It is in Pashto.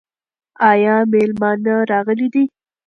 ایا مېلمانه راغلي دي؟